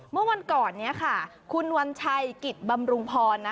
เมื่อวันก่อนนี้ค่ะคุณวัญชัยกิจบำรุงพร